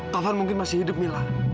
kapan mungkin masih hidup mila